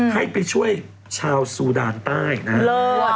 ให้ไปช่วยชาวสูดาลใต้นะฮะ